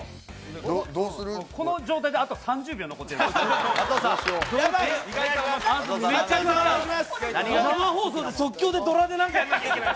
この状態であと３０秒残ってやばい。